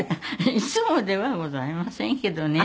いつもではございませんけどね。